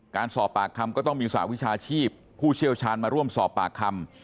การสอบปากคำก็ต้องมีสหวิชาชีพผู้เชี่ยวชาญมาร่วมสอบปากคำ